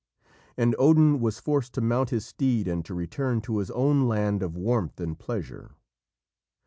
And Odin was forced to mount his steed and to return to his own land of warmth and pleasure.